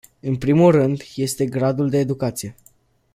În primul rând este gradul de educație.